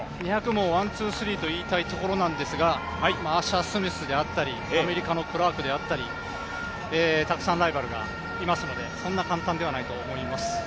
２００もワン・ツー・スリーと言いたいところなんですがアッシャー・スミスであったり、アメリカのクラークであったり、たくさんライバルがいますのでそんな簡単ではないと思います。